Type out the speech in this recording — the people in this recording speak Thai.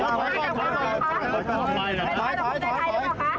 โอ้ยไม่รู้เหรอคะ